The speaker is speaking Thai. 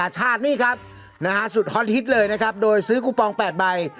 จะซื้อกูปอง๘ใบ